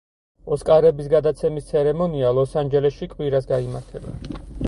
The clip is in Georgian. ოსკარების გადაცემის ცერემონია ლოს-ანჯელესში კვირას, გაიმართება.